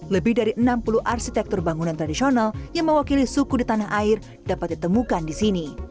lebih dari enam puluh arsitektur bangunan tradisional yang mewakili suku di tanah air dapat ditemukan di sini